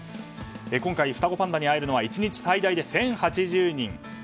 今回双子パンダに会えるのは１日最大で１０８０人。